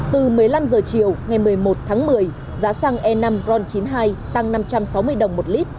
từ một mươi năm h chiều ngày một mươi một tháng một mươi giá xăng e năm ron chín mươi hai tăng năm trăm sáu mươi đồng một lít